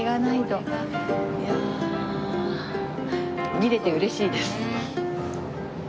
見れて嬉しいです。